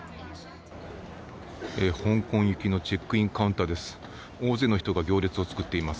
香港行きのチェックインカウンターです。